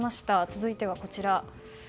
続いては、こちら。